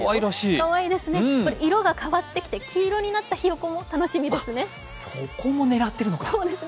かわいいですね、これ、色が変わっていって黄色になったひよこも楽しみですね。